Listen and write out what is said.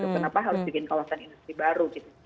kenapa harus bikin kawasan industri baru gitu